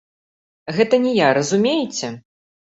Гэта не я, разумееце?